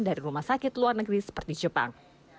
dari rumah sakit luar negeri seperti jepang